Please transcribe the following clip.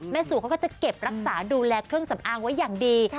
สู่เขาก็จะเก็บรักษาดูแลเครื่องสำอางไว้อย่างดี